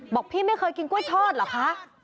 บอกพี่ไม่เคยกินกล้วยทอดเหรอคะ